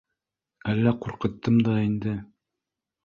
— Әллә ҡурҡыттым да инде?